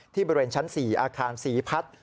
บริเวณชั้น๔อาคารศรีพัฒน์